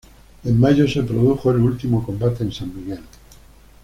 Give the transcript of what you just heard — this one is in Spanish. En mayo se produjo el último combate en San Miguel.